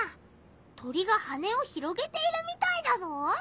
鳥が羽を広げているみたいだぞ！